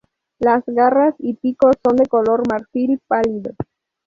Las garras y pico son de color marfil pálido.